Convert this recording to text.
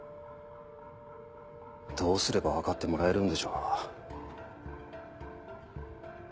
どうすれば分かってもらえるんでしょう。